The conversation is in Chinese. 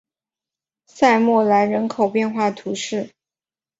塞默莱人口变化图示